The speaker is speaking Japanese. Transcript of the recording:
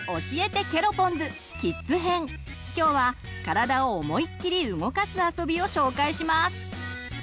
今日は体を思いっきり動かすあそびを紹介します。